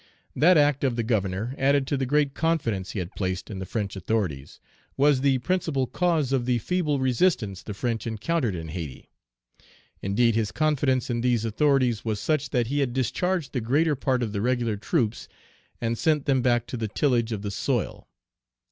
That act of the Governor, added to the great confidence he had placed in the French authorities, was the principal cause of the feeble resistance the French encountered in Hayti. Indeed, his confidence in these authorities was such that he had discharged the greater part of the regular troops, and sent them back to the tillage of the soil."